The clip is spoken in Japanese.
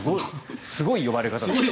すごい呼ばれ方ですね。